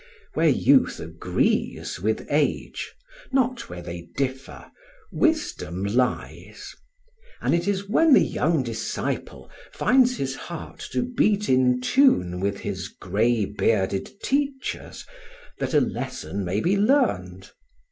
Where youth agrees with age, not where they differ, wisdom lies; and it is when the young disciple finds his heart to beat in tune with his grey bearded teacher's that a lesson may be learned.